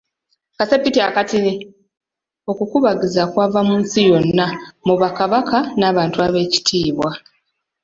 Okukubagiza kwava mu nsi yonna mu bakabaka n'abantu ab'ekitiibwa.